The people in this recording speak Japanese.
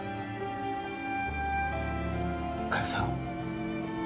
嘉代さん。